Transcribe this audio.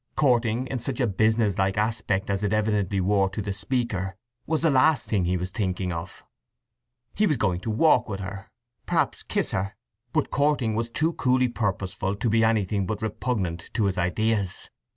Courting in such a businesslike aspect as it evidently wore to the speaker was the last thing he was thinking of. He was going to walk with her, perhaps kiss her; but "courting" was too coolly purposeful to be anything but repugnant to his ideas.